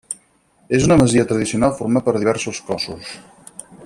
És una masia tradicional format per diversos cossos.